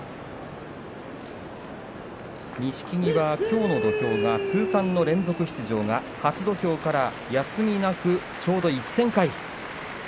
錦木はきょうの土俵が通算の連続出場が初土俵から休みなくちょうど１０００回。